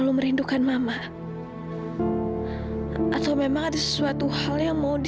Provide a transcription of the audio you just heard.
sampai jumpa di video selanjutnya